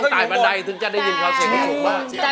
ต้องสตลบ่นใดถึงจะได้ยินความเสียงที่สุขมาก